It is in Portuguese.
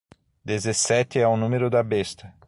Dezessete é o número da besta